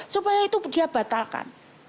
supaya itu dia batalkan